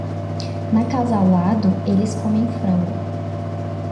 Na casa ao lado, eles comem frango.